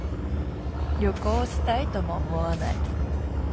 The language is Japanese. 旅行したいとも思わない。